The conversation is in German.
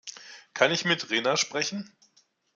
Kann ich mit Rena sprechen?